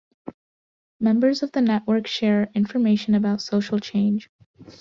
Members of the network share information about social change.